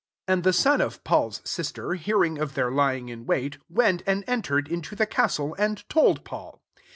16 Ami the son of Paul's sis ter hearing of their lying in wut, went and entered into the castle^ and told Paul.